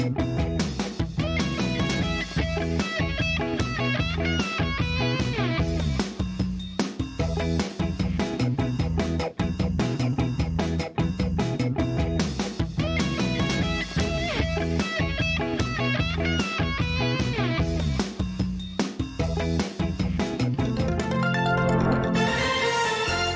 สวัสดีค่ะสวัสดีค่ะสวัสดีค่ะ